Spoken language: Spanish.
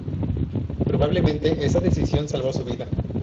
Probablemente esa decisión salvó su vida.